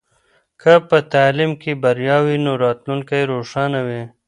که په تعلیم کې بریا وي نو راتلونکی روښانه وي.